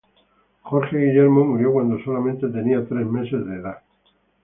Jorge Guillermo murió cuando solamente tenía tres meses de nacido.